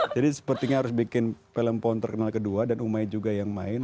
jadi sepertinya harus bikin film pohon terkenal kedua dan umai juga yang main